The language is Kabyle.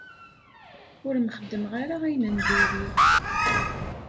Ur m-xeddmeɣ ara ayen n diri.